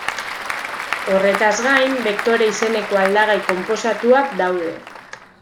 Horretaz gain, bektore izeneko aldagai konposatuak daude.